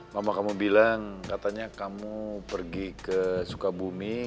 mama kamu bilang katanya kamu pergi ke sukabumi